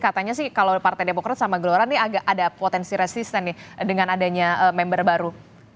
katanya sih kalau partai demokrat sama gelora ini agak ada potensi resisten nih dengan adanya member baru